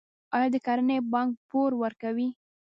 آیا د کرنې بانک پور ورکوي؟